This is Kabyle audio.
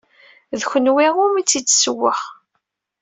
D kenwi umi tt-id-ssewweɣ.